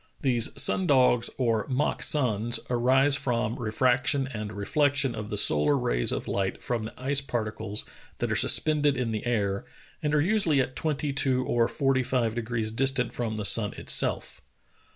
These sun dogs, or mock suns, arise from refraction and reflection of the solar rays of light from the ice particles that are sus pended in the air, and are usually at twenty two or forty five degrees distant from the sun itself.